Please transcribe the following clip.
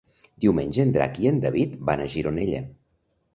Diumenge en Drac i en David van a Gironella.